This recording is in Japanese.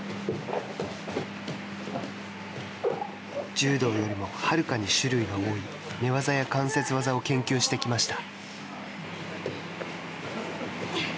柔道よりもはるかに種類が多い寝技や関節技を研究してきました。